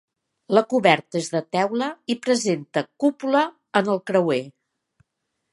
La coberta és de teula i presenta cúpula en el creuer.